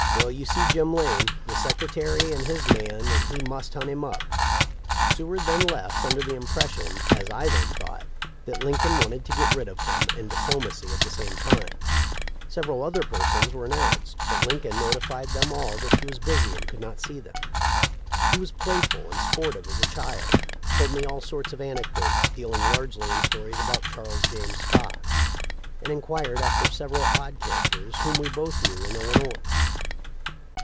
Well, you see Jim Lane ; the secretary is his man, and he must hunt him up.' Seward then left, under the impres sion, as I then thought, that Lincoln wanted to get rid of him and diplomacy at the same time. Sev eral other persons were announced, but Lincoln notified them all that he was busy and could not see them. He was playful and sportive as a child, told me all sorts of anecdotes, dealing largely in stories about Charles James Fox, and enquired after several odd characters whom we both knew in Illinois.